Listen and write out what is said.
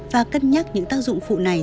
và cân nhắc những tác dụng phụ này